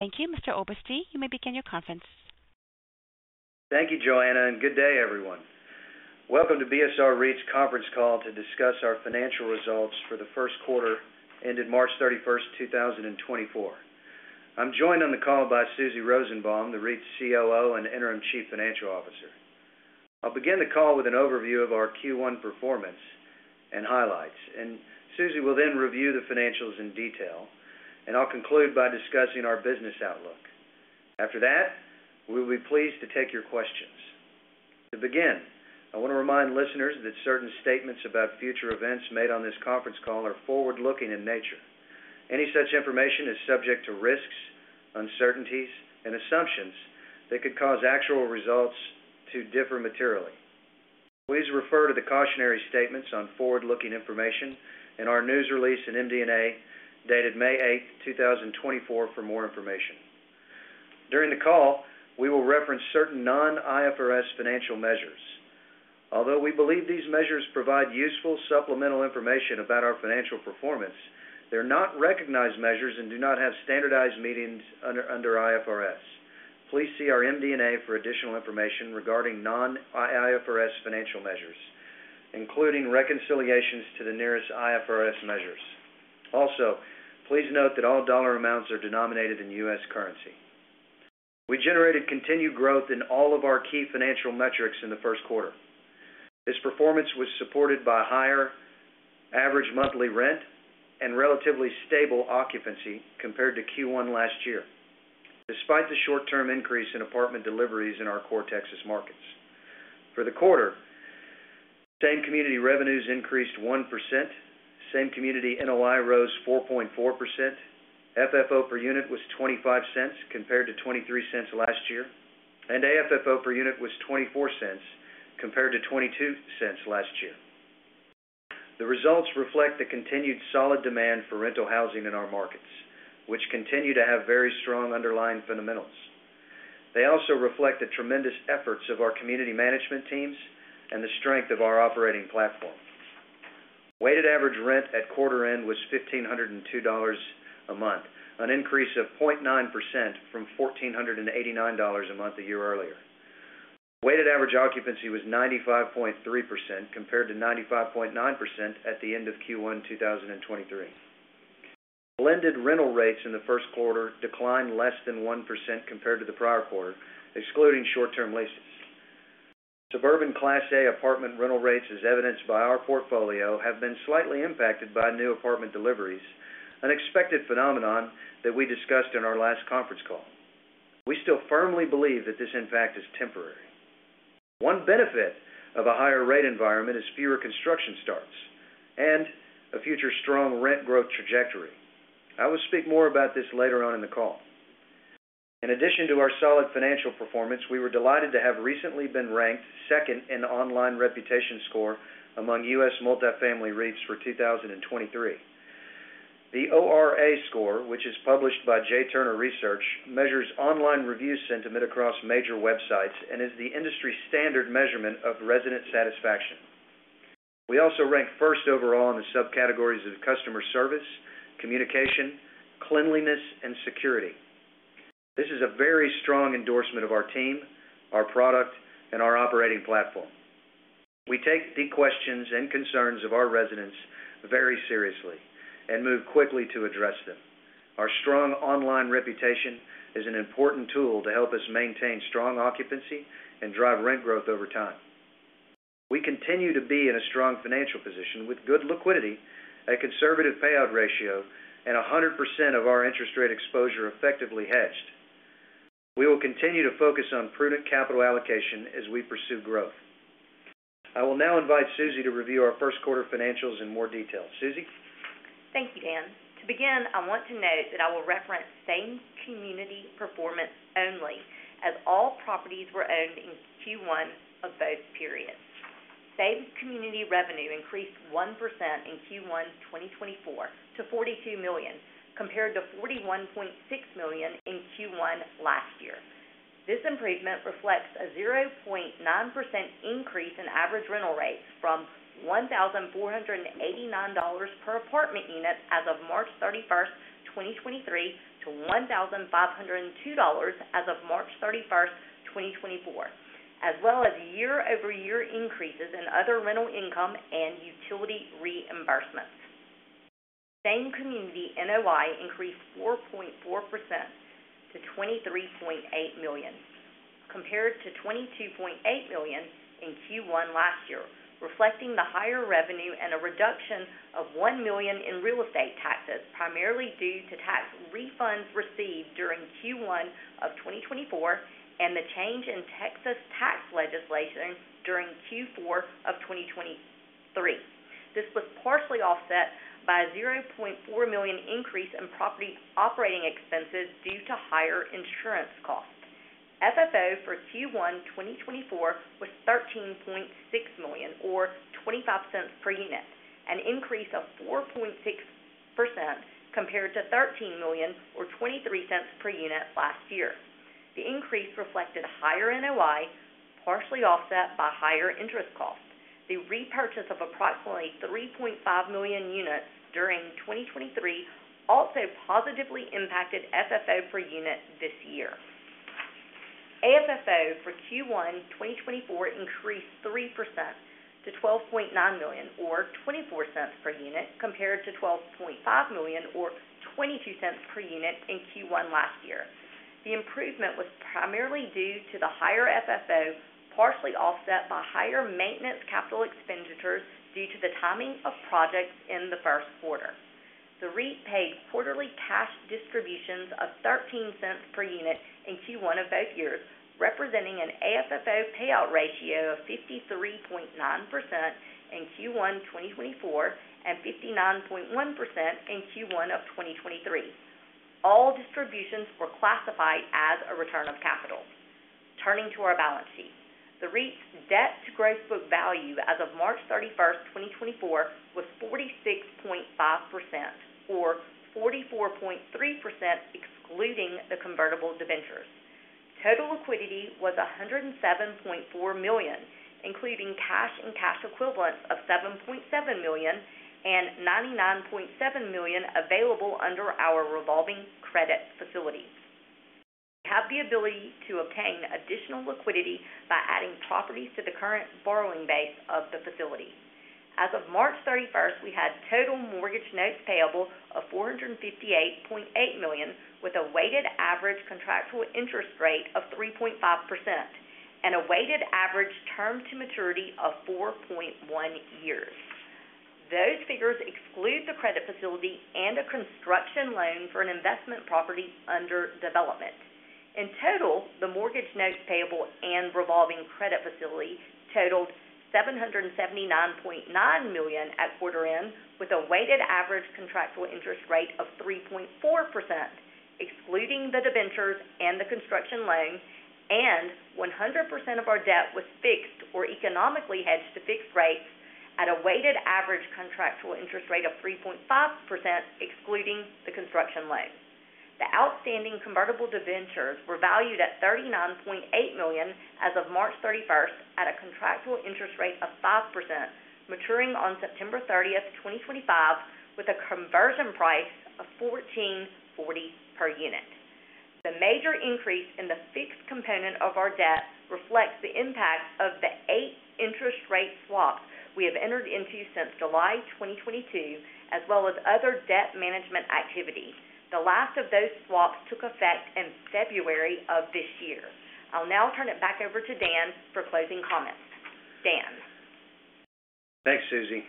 Thank you, Mr. Oberste, you may begin your conference. Thank you, Joanna, and good day, everyone. Welcome to BSR REIT's conference call to discuss our financial results for the first quarter, ended March 31, 2024. I'm joined on the call by Susie Rosenbaum, the REIT's COO and Interim Chief Financial Officer. I'll begin the call with an overview of our Q1 performance and highlights, and Susie will then review the financials in detail, and I'll conclude by discussing our business outlook. After that, we will be pleased to take your questions. To begin, I want to remind listeners that certain statements about future events made on this conference call are forward-looking in nature. Any such information is subject to risks, uncertainties, and assumptions that could cause actual results to differ materially. Please refer to the cautionary statements on forward-looking information in our news release in MD&A, dated May 8, 2024, for more information. During the call, we will reference certain non-IFRS financial measures. Although we believe these measures provide useful supplemental information about our financial performance, they're not recognized measures and do not have standardized meanings under IFRS. Please see our MD&A for additional information regarding non-IFRS financial measures, including reconciliations to the nearest IFRS measures. Also, please note that all dollar amounts are denominated in U.S. currency. We generated continued growth in all of our key financial metrics in the first quarter. This performance was supported by higher average monthly rent and relatively stable occupancy compared to Q1 last year, despite the short-term increase in apartment deliveries in our core Texas markets. For the quarter, same-community revenues increased 1%, same-community NOI rose 4.4%, FFO per unit was $0.25 compared to $0.23 last year, and AFFO per unit was $0.24 compared to $0.22 last year. The results reflect the continued solid demand for rental housing in our markets, which continue to have very strong underlying fundamentals. They also reflect the tremendous efforts of our community management teams and the strength of our operating platform. Weighted average rent at quarter end was $1,502 a month, an increase of 0.9% from $1,489 a month, a year earlier. Weighted average occupancy was 95.3%, compared to 95.9% at the end of Q1 2023. Blended rental rates in the first quarter declined less than 1% compared to the prior quarter, excluding short-term leases. Suburban Class A apartment rental rates, as evidenced by our portfolio, have been slightly impacted by new apartment deliveries, an expected phenomenon that we discussed in our last conference call. We still firmly believe that this, in fact, is temporary. One benefit of a higher rate environment is fewer construction starts and a future strong rent growth trajectory. I will speak more about this later on in the call. In addition to our solid financial performance, we were delighted to have recently been ranked second in the online reputation score among U.S. multifamily REITs for 2023. The ORA Score, which is published by J Turner Research, measures online review sentiment across major websites and is the industry standard measurement of resident satisfaction. We also ranked first overall in the subcategories of customer service, communication, cleanliness, and security. This is a very strong endorsement of our team, our product, and our operating platform. We take the questions and concerns of our residents very seriously and move quickly to address them. Our strong online reputation is an important tool to help us maintain strong occupancy and drive rent growth over time. We continue to be in a strong financial position with good liquidity, a conservative payout ratio, and 100% of our interest rate exposure effectively hedged. We will continue to focus on prudent capital allocation as we pursue growth. I will now invite Susie to review our first quarter financials in more detail. Susie? Thank you, Dan. To begin, I want to note that I will reference Same-Community performance only, as all properties were owned in Q1 of both periods. Same-Community revenue increased 1% in Q1 2024 to $42 million, compared to $41.6 million in Q1 last year. This improvement reflects a 0.9% increase in average rental rates from $1,489 per apartment unit as of March 31, 2023, to $1,502 as of March 31, 2024, as well as year-over-year increases in other rental income and utility reimbursements. Same-Community NOI increased 4.4% to $23.8 million, compared to $22.8 million in Q1 last year, reflecting the higher revenue and a reduction of $1 million in real estate taxes, primarily due to tax refunds received during Q1 of 2024, and the change in Texas tax legislation during Q4 of 2023. This was partially offset by a $0.4 million increase in property operating expenses due to higher insurance costs. FFO for Q1 2024 was $13.6 million or $0.25 per unit, an increase of 4.6% compared to $13 million or $0.23 per unit last year. The increase reflected higher NOI, partially offset by higher interest costs. The repurchase of approximately 3.5 million units during 2023 also positively impacted FFO per unit this year. AFFO for Q1 2024 increased 3% to 12.9 million, or 0.24 per unit, compared to 12.5 million, or 0.22 per unit in Q1 last year. The improvement was primarily due to the higher FFO, partially offset by higher maintenance capital expenditures due to the timing of projects in the first quarter. The REIT paid quarterly cash distributions of 0.13 per unit in Q1 of both years, representing an AFFO payout ratio of 53.9% in Q1 2024, and 59.1% in Q1 of 2023. All distributions were classified as a return of capital. Turning to our balance sheet. The REIT's debt to gross book value as of March 31, 2024, was 46.5%, or 44.3%, excluding the convertible debentures. Total liquidity was $107.4 million, including cash and cash equivalents of $7.7 million and $99.7 million available under our revolving credit facility. We have the ability to obtain additional liquidity by adding properties to the current borrowing base of the facility. As of March 31, we had total mortgage notes payable of $458.8 million, with a weighted average contractual interest rate of 3.5%, and a weighted average term to maturity of 4.1 years. Those figures exclude the credit facility and a construction loan for an investment property under development. In total, the mortgage notes payable and revolving credit facility totaled $779.9 million at quarter end, with a weighted average contractual interest rate of 3.4%, excluding the debentures and the construction loan, and 100% of our debt was fixed or economically hedged to fixed rates at a weighted average contractual interest rate of 3.5%, excluding the construction loan. The outstanding convertible debentures were valued at $39.8 million as of March 31, at a contractual interest rate of 5%, maturing on September 30, 2025, with a conversion price of 14.40 per unit. The major increase in the fixed component of our debt reflects the impact of the 8 interest rate swaps we have entered into since July 2022, as well as other debt management activity. The last of those swaps took effect in February of this year. I'll now turn it back over to Dan for closing comments. Dan? Thanks, Susie.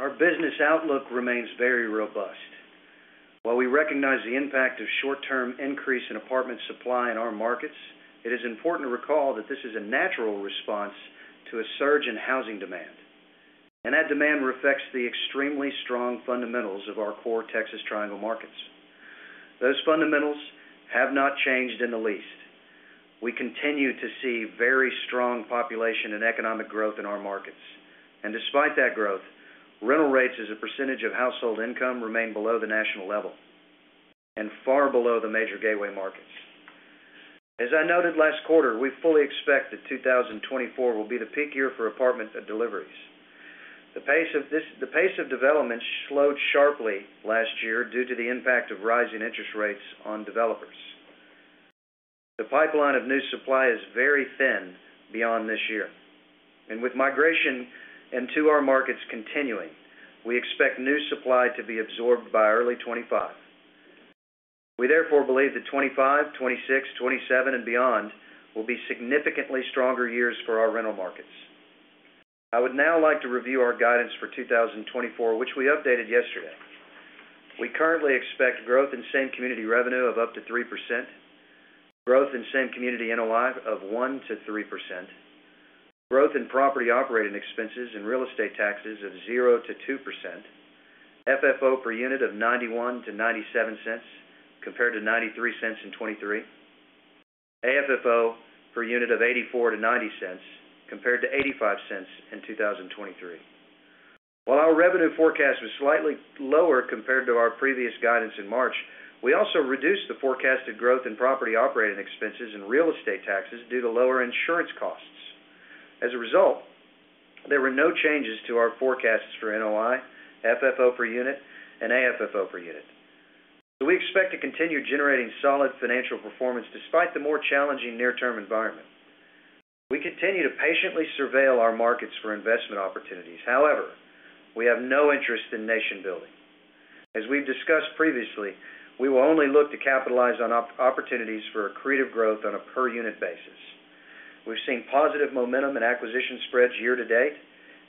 Our business outlook remains very robust. While we recognize the impact of short-term increase in apartment supply in our markets, it is important to recall that this is a natural response to a surge in housing demand, and that demand reflects the extremely strong fundamentals of our core Texas Triangle markets. Those fundamentals have not changed in the least. We continue to see very strong population and economic growth in our markets, and despite that growth, rental rates as a percentage of household income remain below the national level and far below the major gateway markets. As I noted last quarter, we fully expect that 2024 will be the peak year for apartment deliveries. The pace of development slowed sharply last year due to the impact of rising interest rates on developers. The pipeline of new supply is very thin beyond this year, and with migration into our markets continuing, we expect new supply to be absorbed by early 2025. We therefore believe that 2025, 2026, 2027 and beyond will be significantly stronger years for our rental markets. I would now like to review our guidance for 2024, which we updated yesterday. We currently expect growth in same-community revenue of up to 3%, growth in same-community NOI of 1%-3%, growth in property operating expenses and real estate taxes of 0%-2%, FFO per unit of 0.91-0.97 compared to 0.93 in 2023, AFFO per unit of 0.84-0.90 compared to 0.85 in 2023. While our revenue forecast was slightly lower compared to our previous guidance in March, we also reduced the forecasted growth in property operating expenses and real estate taxes due to lower insurance costs. As a result, there were no changes to our forecasts for NOI, FFO per unit, and AFFO per unit. So we expect to continue generating solid financial performance despite the more challenging near-term environment. We continue to patiently surveil our markets for investment opportunities. However, we have no interest in nation building. As we've discussed previously, we will only look to capitalize on opportunities for accretive growth on a per-unit basis. We've seen positive momentum and acquisition spreads year to date,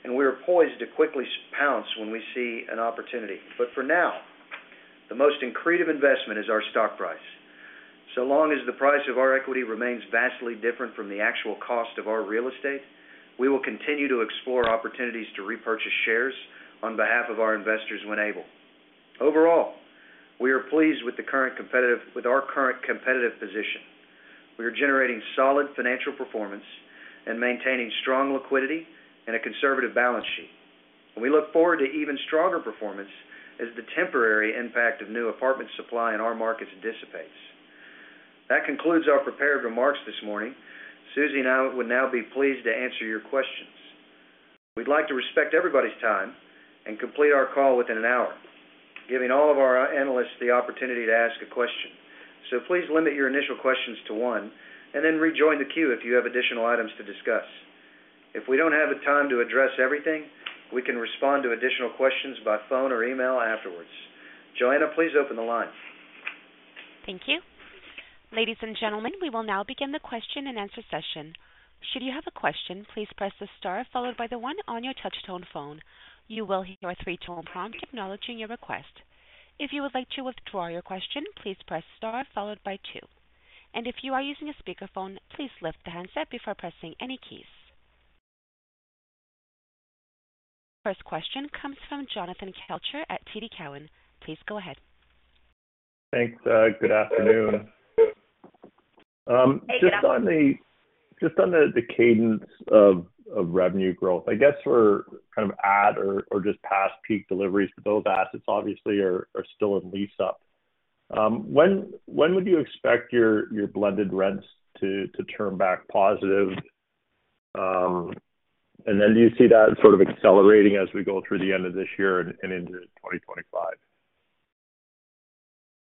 and we are poised to quickly pounce when we see an opportunity. But for now, the most accretive investment is our stock price. So long as the price of our equity remains vastly different from the actual cost of our real estate, we will continue to explore opportunities to repurchase shares on behalf of our investors when able. Overall, we are pleased with our current competitive position. We are generating solid financial performance and maintaining strong liquidity and a conservative balance sheet. We look forward to even stronger performance as the temporary impact of new apartment supply in our markets dissipates. That concludes our prepared remarks this morning. Susie and I would now be pleased to answer your questions. We'd like to respect everybody's time and complete our call within an hour, giving all of our analysts the opportunity to ask a question. So please limit your initial questions to one, and then rejoin the queue if you have additional items to discuss. If we don't have the time to address everything, we can respond to additional questions by phone or email afterwards. Joanna, please open the line. Thank you. Ladies and gentlemen, we will now begin the question-and-answer session. Should you have a question, please press the star followed by the one on your touchtone phone. You will hear a three-tone prompt acknowledging your request. If you would like to withdraw your question, please press star followed by two. If you are using a speakerphone, please lift the handset before pressing any keys. First question comes from Jonathan Kelcher at TD Cowen. Please go ahead. Thanks. Good afternoon. Hey, good after- Just on the cadence of revenue growth, I guess, we're kind of at or just past peak deliveries, but those assets obviously are still in lease up. When would you expect your blended rents to turn back positive? And then do you see that sort of accelerating as we go through the end of this year and into 2025?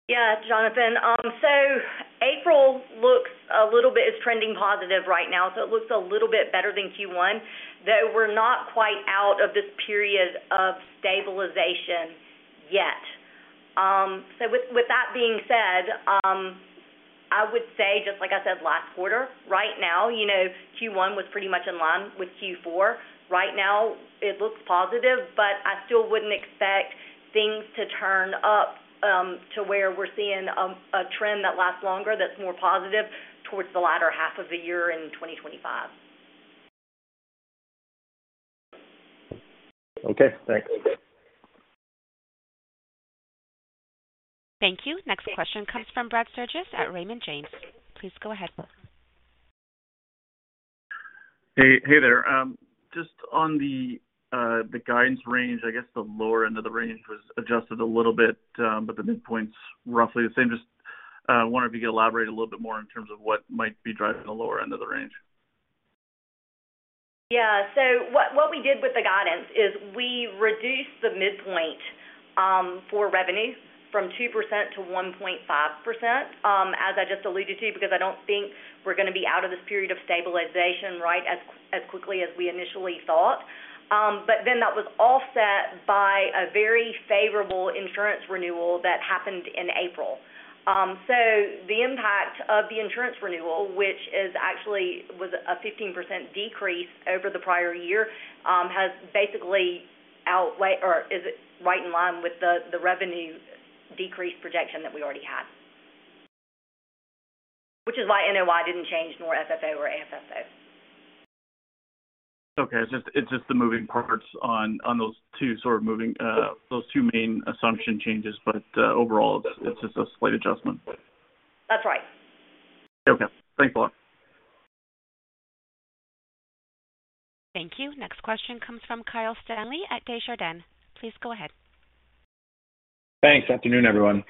Yeah, Jonathan. So April is trending positive right now, so it looks a little bit better than Q1, though we're not quite out of this period of stabilization yet. So with that being said, I would say, just like I said last quarter, right now, you know, Q1 was pretty much in line with Q4. Right now, it looks positive, but I still wouldn't expect things to turn up to where we're seeing a trend that lasts longer, that's more positive towards the latter half of the year in 2025. Okay, thanks. Thank you. Next question comes from Brad Sturges at Raymond James. Please go ahead. Hey, hey there. Just on the guidance range, I guess the lower end of the range was adjusted a little bit, but the midpoint's roughly the same. Just wanted to elaborate a little bit more in terms of what might be driving the lower end of the range. Yeah. So what, what we did with the guidance is we reduced the midpoint for revenue from 2% to 1.5%, as I just alluded to, because I don't think we're gonna be out of this period of stabilization, right, as quickly as we initially thought. But then that was offset by a very favorable insurance renewal that happened in April. So the impact of the insurance renewal, which is actually was a 15% decrease over the prior year, has basically outweigh or is right in line with the revenue decrease projection that we already had. Which is why NOI didn't change, nor FFO or AFFO. Okay, it's just, it's just the moving parts on those two main assumption changes, but overall, it's just a slight adjustment. That's right. Okay, thanks a lot. Thank you. Next question comes from Kyle Stanley at Desjardins. Please go ahead. Thanks. Afternoon, everyone.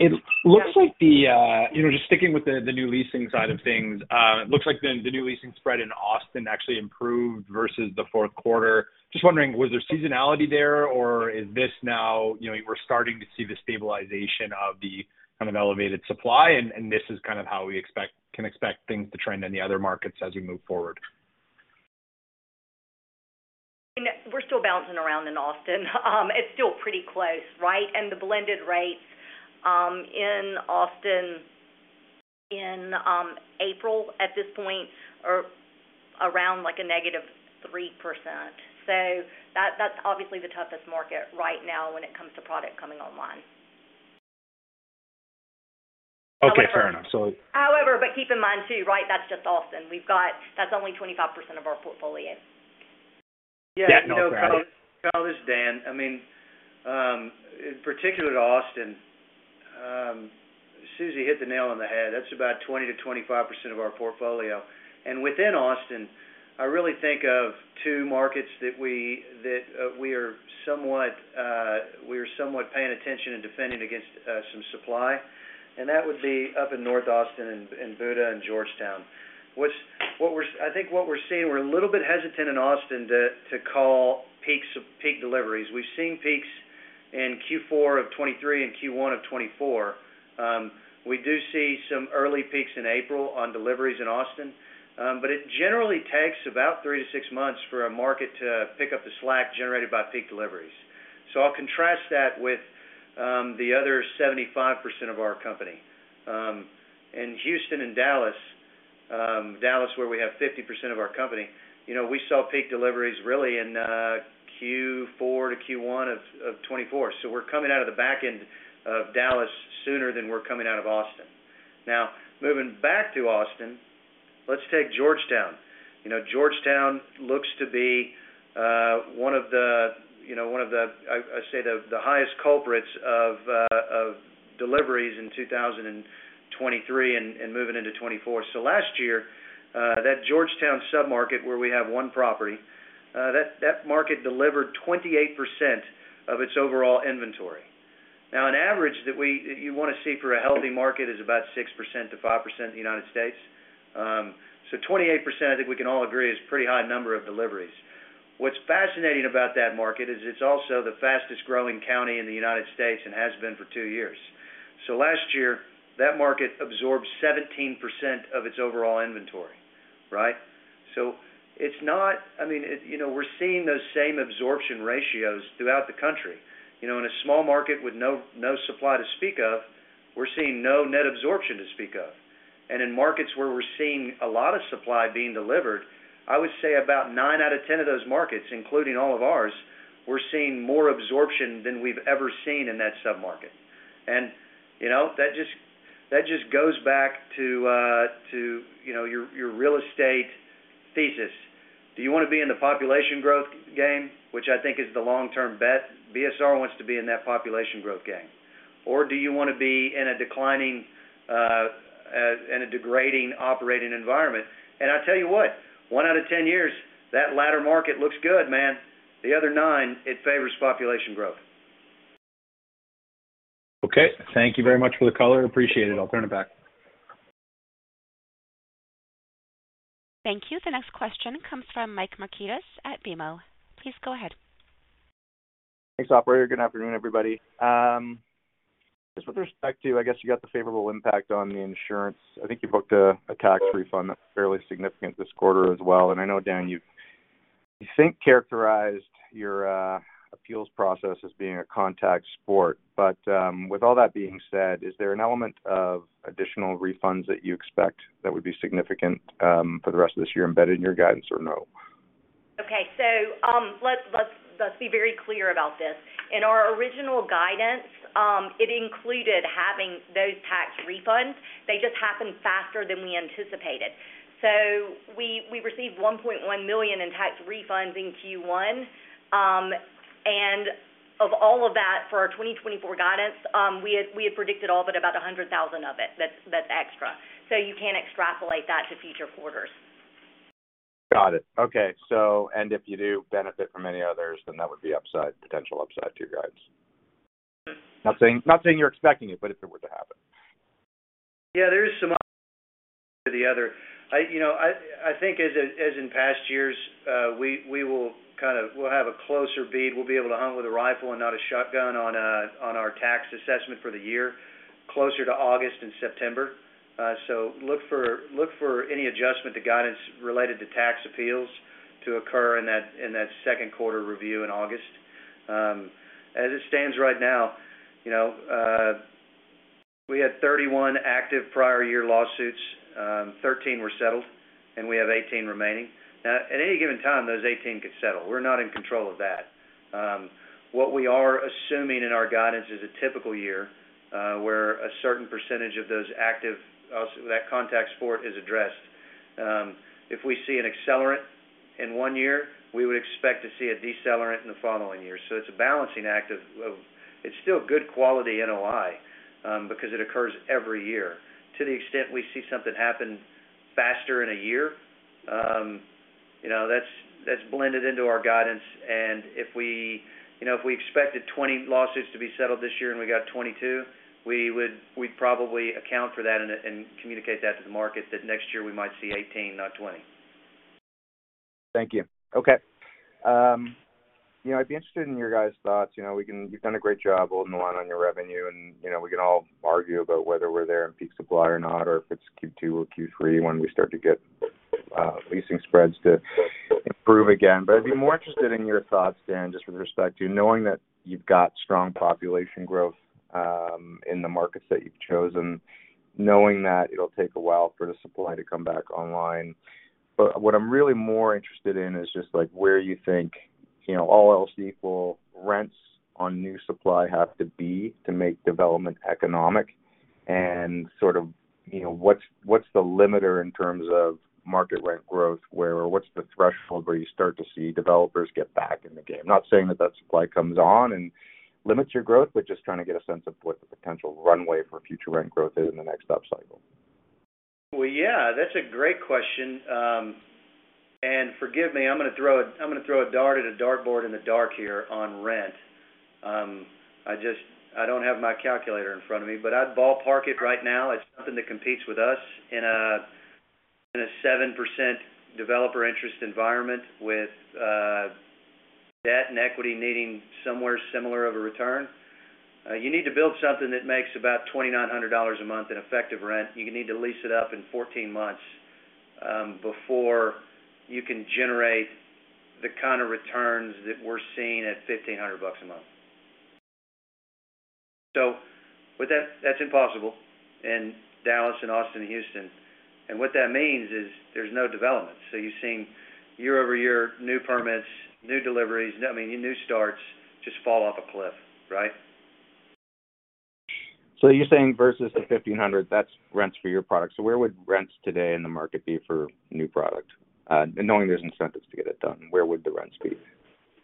It looks like the, you know, just sticking with the new leasing side of things, it looks like the new leasing spread in Austin actually improved versus the fourth quarter. Just wondering, was there seasonality there, or is this now, you know, we're starting to see the stabilization of the kind of elevated supply, and this is kind of how we expect—can expect things to trend in the other markets as we move forward? We're still bouncing around in Austin. It's still pretty close, right? And the blended rates in Austin, in April, at this point, are around, like, a negative 3%. So that's obviously the toughest market right now when it comes to product coming online. Okay, fair enough. However, keep in mind, too, right, that's just Austin. We've got, that's only 25% of our portfolio. Yeah, no, fair enough. Kyle, it's Dan. I mean, in particular to Austin, Susie hit the nail on the head. That's about 20%-25% of our portfolio. And within Austin, I really think of two markets that we are somewhat paying attention and defending against some supply, and that would be up in North Austin and Buda and Georgetown. What we're seeing, I think, we're a little bit hesitant in Austin to call peaks of peak deliveries. We've seen peaks in Q4 of 2023 and Q1 of 2024. We do see some early peaks in April on deliveries in Austin, but it generally takes about 3-6 months for a market to pick up the slack generated by peak deliveries. So I'll contrast that with the other 75% of our company. In Houston and Dallas, Dallas, where we have 50% of our company, you know, we saw peak deliveries really in Q4 to Q1 of 2024. So we're coming out of the back end of Dallas sooner than we're coming out of Austin. Now, moving back to Austin, let's take Georgetown. You know, Georgetown looks to be one of the, you know, one of the, I, I say, the, the highest culprits of deliveries in 2023 and moving into 2024. So last year, that Georgetown submarket, where we have one property, that market delivered 28% of its overall inventory. Now, an average that you wanna see for a healthy market is about 6%-5% in the United States. So 28%, I think we can all agree, is a pretty high number of deliveries. What's fascinating about that market is it's also the fastest growing county in the United States and has been for two years. So last year, that market absorbed 17% of its overall inventory, right? So it's not—I mean, it, you know, we're seeing those same absorption ratios throughout the country. You know, in a small market with no, no supply to speak of, we're seeing no net absorption to speak of. And in markets where we're seeing a lot of supply being delivered, I would say about 9 out of 10 of those markets, including all of ours, we're seeing more absorption than we've ever seen in that submarket. And, you know, that just, that just goes back to, to, you know, your, your real estate thesis. Do you wanna be in the population growth game, which I think is the long-term bet? BSR wants to be in that population growth game. Or do you wanna be in a declining, in a degrading operating environment? And I tell you what, one out of 10 years, that latter market looks good, man. The other nine, it favors population growth. Okay, thank you very much for the color. Appreciate it. I'll turn it back. Thank you. The next question comes from Mike Markidis at BMO. Please go ahead. Thanks, operator. Good afternoon, everybody. Just with respect to, I guess, you got the favorable impact on the insurance. I think you booked a tax refund that's fairly significant this quarter as well. And I know, Dan, you've, I think, characterized your appeals process as being a contact sport. But with all that being said, is there an element of additional refunds that you expect that would be significant for the rest of this year embedded in your guidance or no? Okay, so, let's, let's, let's be very clear about this. In our original guidance, it included having those tax refunds. They just happened faster than we anticipated. So we received $1.1 million in tax refunds in Q1. And of all of that, for our 2024 guidance, we had predicted all but about $100,000 of it. That's extra. So you can't extrapolate that to future quarters. Got it. Okay. So... and if you do benefit from any others, then that would be upside, potential upside to your guides. Not saying, not saying you're expecting it, but if it were to happen. Yeah, there is some to the other. I, you know, I think as in past years, we will kind of – we'll have a closer bead. We'll be able to hunt with a rifle and not a shotgun on our tax assessment for the year, closer to August and September. So look for any adjustment to guidance related to tax appeals to occur in that second quarter review in August. As it stands right now, you know, we had 31 active prior year lawsuits. Thirteen were settled, and we have 18 remaining. Now, at any given time, those 18 could settle. We're not in control of that. What we are assuming in our guidance is a typical year, where a certain percentage of those active, so that contact sport is addressed. If we see an accelerant in one year, we would expect to see a decelerant in the following year. So it's a balancing act of... It's still good quality NOI, because it occurs every year. To the extent we see something happen faster in a year, you know, that's blended into our guidance. And if we, you know, if we expected 20 lawsuits to be settled this year and we got 22, we'd probably account for that and communicate that to the market that next year we might see 18, not 20. Thank you. Okay. You know, I'd be interested in your guys' thoughts. You know, you've done a great job holding the line on your revenue, and, you know, we can all argue about whether we're there in peak supply or not, or if it's Q2 or Q3, when we start to get leasing spreads to improve again. But I'd be more interested in your thoughts, Dan, just with respect to knowing that you've got strong population growth in the markets that you've chosen, knowing that it'll take a while for the supply to come back online. But what I'm really more interested in is just like, where you think, you know, all else equal rents on new supply have to be to make development economic and sort of, you know, what's, what's the limiter in terms of market rent growth, or what's the threshold where you start to see developers get back in the game? Not saying that that supply comes on and limits your growth, but just trying to get a sense of what the potential runway for future rent growth is in the next upcycle. Well, yeah, that's a great question. Forgive me, I'm gonna throw a dart at a dartboard in the dark here on rent. I don't have my calculator in front of me, but I'd ballpark it right now as something that competes with us in a 7% developer interest environment with debt and equity needing somewhere similar of a return. You need to build something that makes about $2,900 a month in effective rent. You need to lease it up in 14 months before you can generate the kind of returns that we're seeing at $1,500 a month. So with that, that's impossible in Dallas and Austin and Houston. And what that means is there's no development. You're seeing year-over-year, new permits, new deliveries, I mean, new starts just fall off a cliff, right? So you're saying versus the $1,500, that's rents for your product. So where would rents today in the market be for new product? And knowing there's incentives to get it done, where would the rents be?...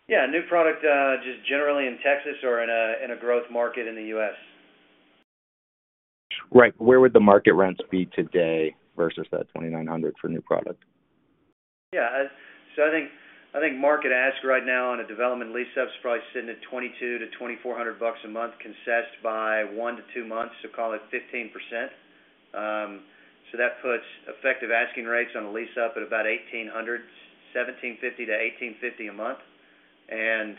Yeah, new product, just generally in Texas or in a growth market in the US? Right. Where would the market rents be today versus that $2,900 for new product? Yeah. So I think, I think market ask right now on a development lease up is probably sitting at $2,200-$2,400 a month, concessed by one to two months, so call it 15%. So that puts effective asking rates on a lease up at about $1,800, $1,750-$1,850 a month. And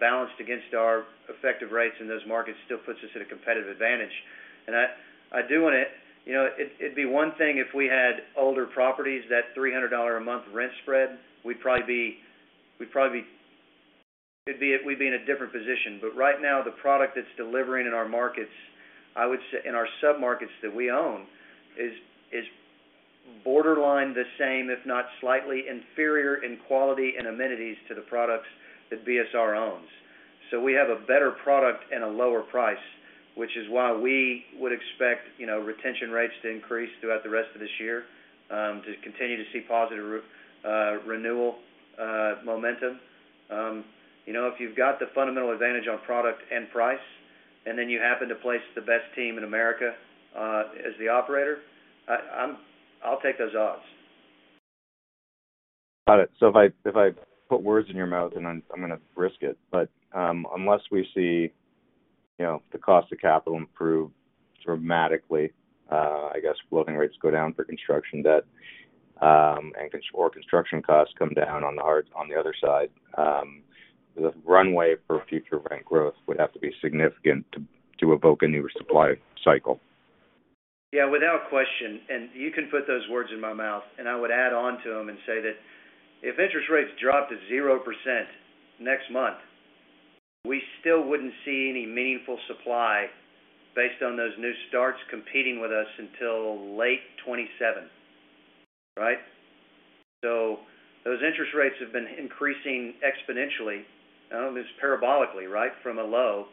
balanced against our effective rates in those markets, still puts us at a competitive advantage. And I do want to... You know, it, it'd be one thing if we had older properties, that $300 a month rent spread, we'd probably be in a different position. But right now, the product that's delivering in our markets, I would say, in our submarkets that we own, is borderline the same, if not slightly inferior in quality and amenities to the products that BSR owns. So we have a better product and a lower price, which is why we would expect, you know, retention rates to increase throughout the rest of this year, to continue to see positive renewal momentum. You know, if you've got the fundamental advantage on product and price, and then you happen to place the best team in America, as the operator, I'll take those odds. Got it. So if I put words in your mouth, and I'm going to risk it, but unless we see, you know, the cost of capital improve dramatically, I guess floating rates go down for construction debt, and construction costs come down on the hard, on the other side, the runway for future rent growth would have to be significant to evoke a newer supply cycle. Yeah, without question, and you can put those words in my mouth, and I would add on to them and say that if interest rates dropped to 0% next month, we still wouldn't see any meaningful supply based on those new starts competing with us until late 2027, right? So those interest rates have been increasing exponentially; it's parabolically, right, from a low.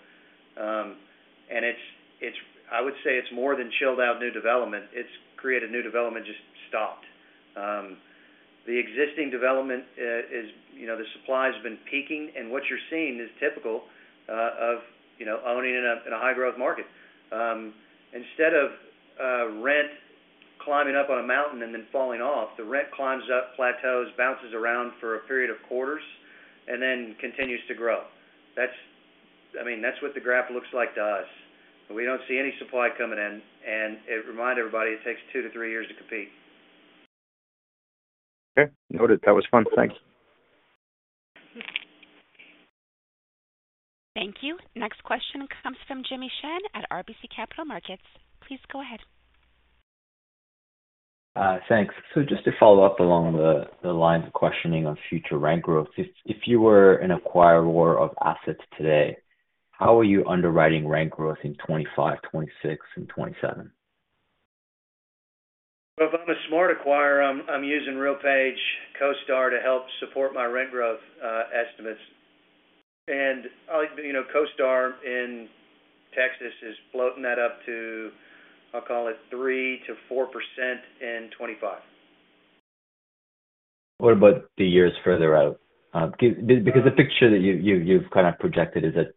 And it's—I would say it's more than chilled out new development; it's created new development, just stopped. The existing development is, you know, the supply has been peaking, and what you're seeing is typical of, you know, owning in a, in a high-growth market. Instead of rent climbing up on a mountain and then falling off, the rent climbs up, plateaus, bounces around for a period of quarters, and then continues to grow. That's... I mean, that's what the graph looks like to us, and we don't see any supply coming in, and it remind everybody, it takes 2-3 years to compete. Okay, noted. That was fun. Thanks. Thank you. Next question comes from Jimmy Shan at RBC Capital Markets. Please go ahead. Thanks. So just to follow up along the lines of questioning on future rent growth, if you were an acquirer of assets today, how are you underwriting rent growth in 2025, 2026, and 2027? Well, if I'm a smart acquirer, I'm using RealPage CoStar to help support my rent growth estimates. You know, CoStar in Texas is floating that up to, I'll call it 3%-4% in 2025. What about the years further out? Because the picture that you've kind of projected is that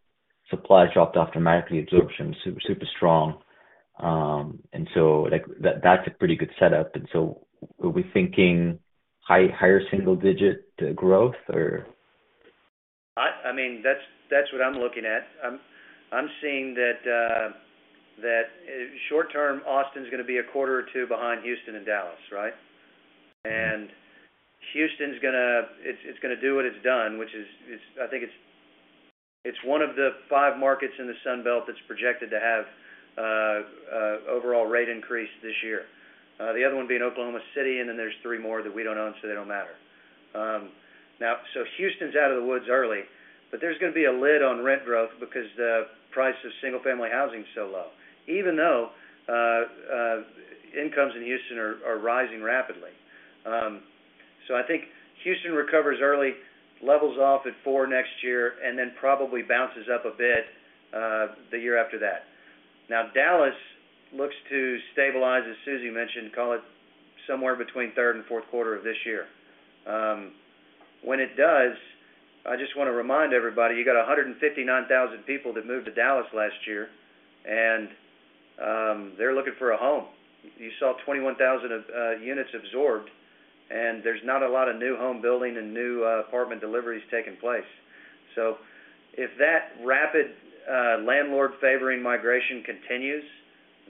supply dropped off dramatically, absorption super, super strong. And so, like, that's a pretty good setup. And so are we thinking higher single digit growth, or? I mean, that's what I'm looking at. I'm seeing that, short term, Austin is gonna be a quarter or two behind Houston and Dallas, right? And Houston is gonna do what it's done, which is, I think it's one of the five markets in the Sun Belt that's projected to have overall rate increase this year. The other one being Oklahoma City, and then there's three more that we don't own, so they don't matter. Now, so Houston's out of the woods early, but there's gonna be a lid on rent growth because the price of single-family housing is so low, even though incomes in Houston are rising rapidly. So I think Houston recovers early, levels off at 4% next year, and then probably bounces up a bit the year after that. Now, Dallas looks to stabilize, as Susie mentioned, call it somewhere between third and fourth quarter of this year. When it does, I just want to remind everybody, you got 159,000 people that moved to Dallas last year, and they're looking for a home. You saw 21,000 units absorbed, and there's not a lot of new home building and new apartment deliveries taking place. So if that rapid landlord favoring migration continues,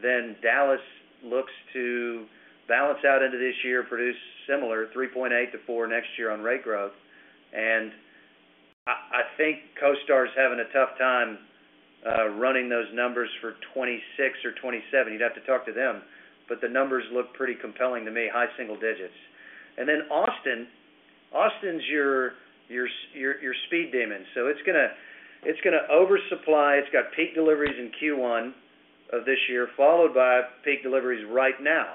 then Dallas looks to balance out into this year, produce similar 3.8%-4% next year on rate growth. And I think CoStar is having a tough time running those numbers for 2026 or 2027. You'd have to talk to them, but the numbers look pretty compelling to me, high single digits. And then Austin, Austin's your speed demon. So it's gonna oversupply. It's got peak deliveries in Q1 of this year, followed by peak deliveries right now,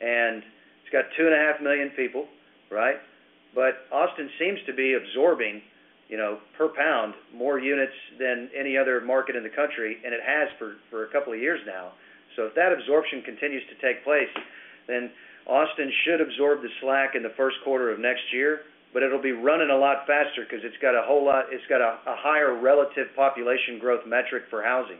and it's got 2.5 million people, right? But Austin seems to be absorbing, you know, per pound, more units than any other market in the country, and it has for a couple of years now. So if that absorption continues to take place, then Austin should absorb the slack in the first quarter of next year, but it'll be running a lot faster because it's got a whole lot, it's got a higher relative population growth metric for housing.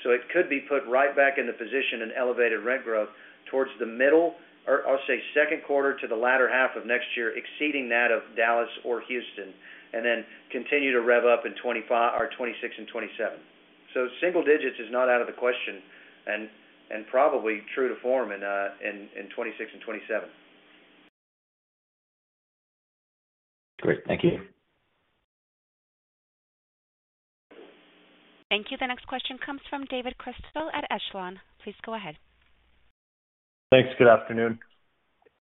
So it could be put right back in the position in elevated rent growth towards the middle, or I'll say second quarter to the latter half of next year, exceeding that of Dallas or Houston, and then continue to rev up in 2025 or 2026 and 2027. So single digits is not out of the question, and, and probably true to form in 2026 and 2027. Great. Thank you. Thank you. The next question comes from David Chrystal at Echelon. Please go ahead. Thanks. Good afternoon.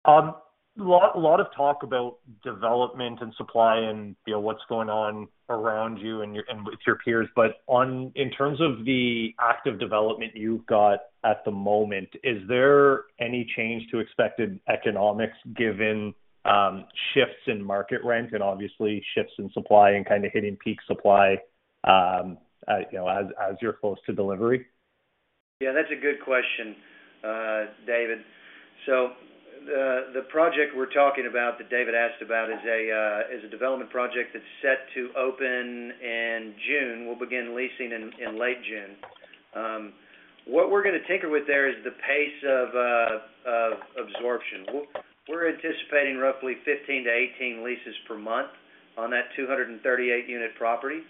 A lot of talk about development and supply and, you know, what's going on around you and your, and with your peers. But on... In terms of the active development you've got at the moment, is there any change to expected economics, given shifts in market rent and obviously shifts in supply and kind of hitting peak supply, you know, as you're close to delivery? Yeah, that's a good question, David. So the project we're talking about, that David asked about, is a development project that's set to open in June. We'll begin leasing in late June. What we're gonna tinker with there is the pace of absorption. We're anticipating roughly 15-18 leases per month on that 238-unit property.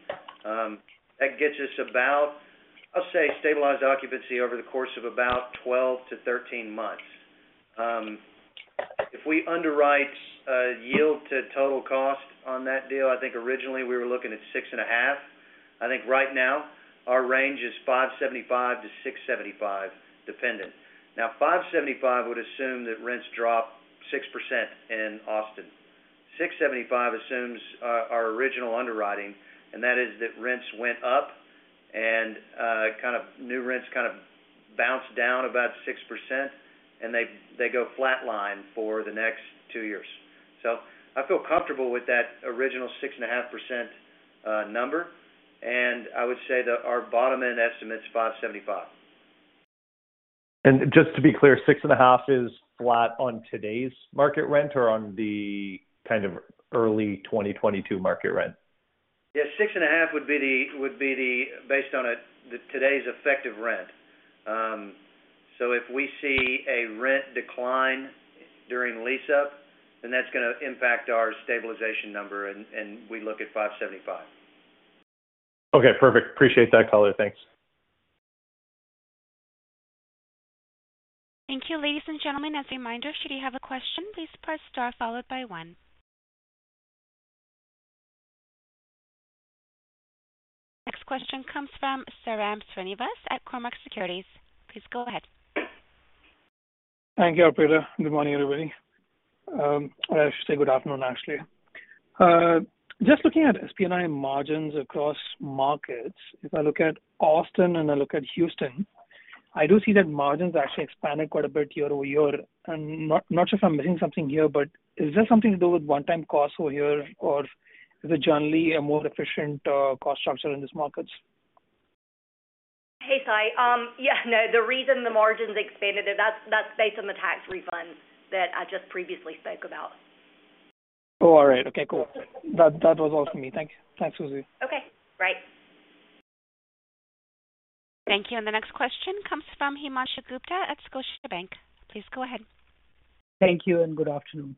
That gets us about, I'll say, stabilized occupancy over the course of about 12-13 months. If we underwrite yield to total cost on that deal, I think originally we were looking at 6.5. I think right now, our range is 5.75-6.75, dependent. Now, 5.75 would assume that rents drop 6% in Austin. 6.75 assumes our original underwriting, and that is that rents went up and kind of, new rents kind of bounced down about 6%, and they go flatline for the next 2 years. So I feel comfortable with that original 6.5% number, and I would say that our bottom end estimate is 5.75. Just to be clear, 6.5 is flat on today's market rent or on the kind of early 2022 market rent? Yes, 6.5 would be the... based on today's effective rent. So if we see a rent decline during lease up, then that's gonna impact our stabilization number, and we look at $575. Okay, perfect. Appreciate that color. Thanks. Thank you. Ladies and gentlemen, as a reminder, should you have a question, please press Star followed by one. Next question comes from Sairam Srinivas at Cormark Securities. Please go ahead. Thank you, Operator. Good morning, everybody. I should say good afternoon, actually. Just looking at SPNOI margins across markets, if I look at Austin and I look at Houston, I do see that margins actually expanded quite a bit year-over-year. And not sure if I'm missing something here, but is there something to do with one-time costs over here, or is it generally a more efficient cost structure in these markets? Hey, Sai. Yeah, no, the reason the margins expanded, that's based on the tax refunds that I just previously spoke about. Oh, all right. Okay, cool. That, that was all for me. Thank you. Thanks, Susie. Okay, great. Thank you. The next question comes from Himanshu Gupta at Scotiabank. Please go ahead. Thank you and good afternoon.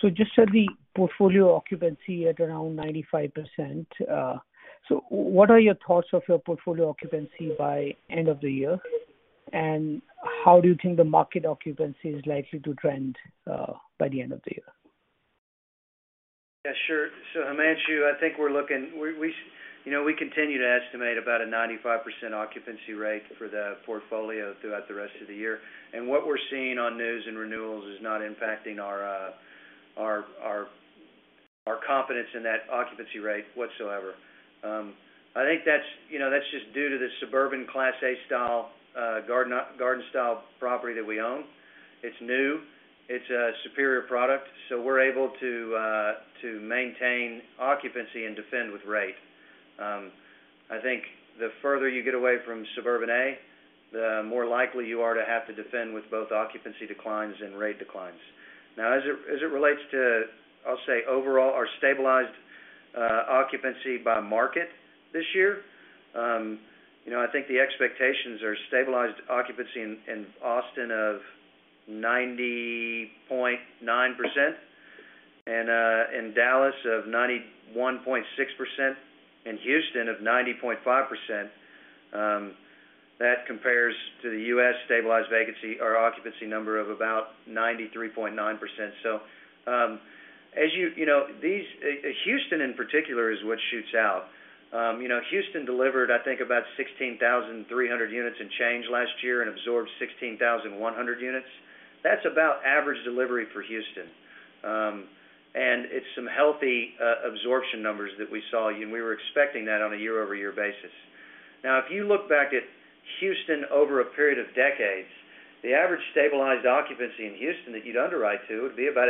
So just at the portfolio occupancy at around 95%, so what are your thoughts of your portfolio occupancy by end of the year? And how do you think the market occupancy is likely to trend, by the end of the year? Yeah, sure. So, Himanshu, I think we're looking... We, you know, we continue to estimate about a 95% occupancy rate for the portfolio throughout the rest of the year. And what we're seeing on news and renewals is not impacting our confidence in that occupancy rate whatsoever. I think that's, you know, that's just due to the suburban Class A style, garden style property that we own. It's new, it's a superior product, so we're able to maintain occupancy and defend with rate. I think the further you get away from suburban A, the more likely you are to have to defend with both occupancy declines and rate declines. Now, as it relates to, I'll say, overall, our stabilized occupancy by market this year, you know, I think the expectations are stabilized occupancy in Austin of 90.9%, and in Dallas of 91.6%, in Houston of 90.5%. That compares to the U.S. stabilized vacancy or occupancy number of about 93.9%. So, as you... You know, these Houston in particular is what shoots out. You know, Houston delivered, I think, about 16,300 units in change last year and absorbed 16,100 units. That's about average delivery for Houston. And it's some healthy absorption numbers that we saw, and we were expecting that on a year-over-year basis. Now, if you look back at Houston over a period of decades, the average stabilized occupancy in Houston that you'd underwrite to would be about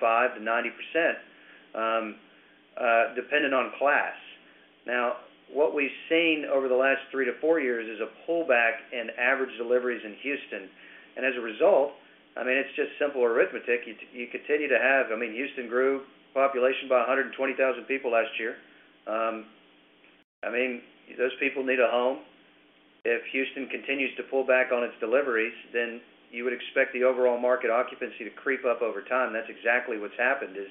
89.5%-90%, depending on class. Now, what we've seen over the last 3-4 years is a pullback in average deliveries in Houston. And as a result, I mean, it's just simple arithmetic. You continue to have - I mean, Houston grew population by 120,000 people last year. I mean, those people need a home. If Houston continues to pull back on its deliveries, then you would expect the overall market occupancy to creep up over time. That's exactly what's happened, is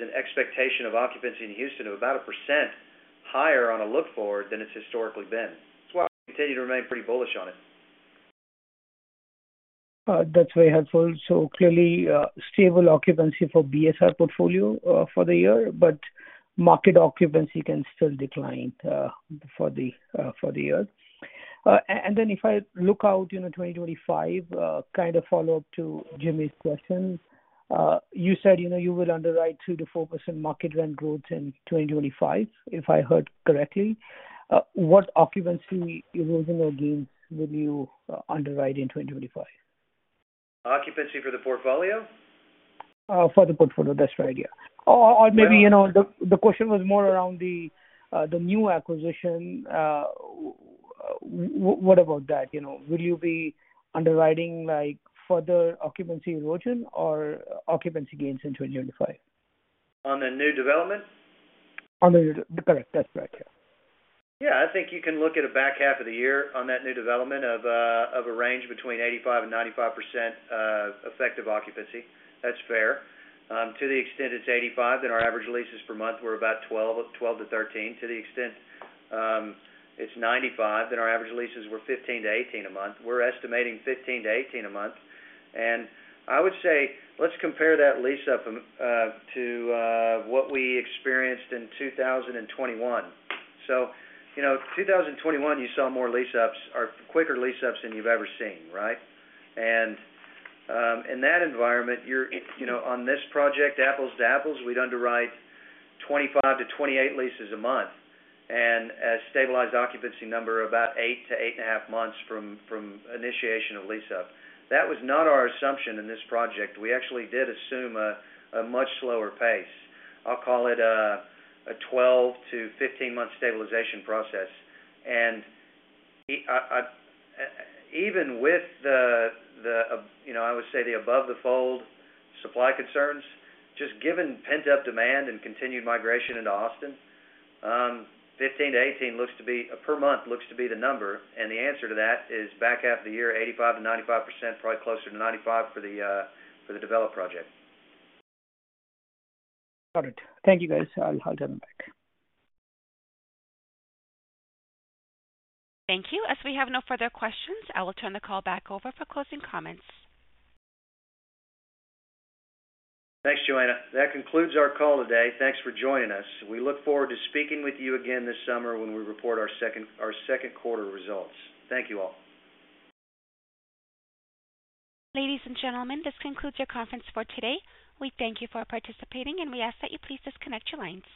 an expectation of occupancy in Houston of about 1% higher on a look forward than it's historically been. That's why we continue to remain pretty bullish on it. That's very helpful. So clearly, stable occupancy for BSR portfolio, for the year, but market occupancy can still decline, for the year. And then if I look out, you know, 2025, kind of follow-up to Jimmy's questions. You said, you know, you will underwrite 2%-4% market rent growth in 2025, if I heard correctly. What occupancy erosion or gains will you underwrite in 2025? Occupancy for the portfolio? For the portfolio, that's right, yeah. Or maybe, you know, the question was more around the new acquisition. What about that? You know, will you be underwriting like further occupancy erosion or occupancy gains in 2025? On the new development? On the new, correct. That's right, yeah. Yeah, I think you can look at a back half of the year on that new development of a range between 85%-95% effective occupancy. That's fair. To the extent it's 85, then our average leases per month were about 12, 12-13. To the extent it's 95, then our average leases were 15-18 a month. We're estimating 15-18 a month, and I would say let's compare that lease-up to what we experienced in 2021. So, you know, 2021, you saw more lease-ups or quicker lease-ups than you've ever seen, right? And, in that environment, you're, you know, on this project, apples to apples, we'd underwrite 25-28 leases a month, and a stabilized occupancy number about 8-8.5 months from initiation of lease-up. That was not our assumption in this project. We actually did assume a much slower pace. I'll call it a 12-15-month stabilization process. And, even with the, you know, I would say the above the fold supply concerns, just given pent-up demand and continued migration into Austin, 15-18 looks to be, per month, looks to be the number. And the answer to that is back half of the year, 85%-95%, probably closer to 95% for the develop project. Got it. Thank you, guys. I'll jump back. Thank you. As we have no further questions, I will turn the call back over for closing comments. Thanks, Joanna. That concludes our call today. Thanks for joining us. We look forward to speaking with you again this summer when we report our second quarter results. Thank you all. Ladies and gentlemen, this concludes your conference for today. We thank you for participating, and we ask that you please disconnect your lines.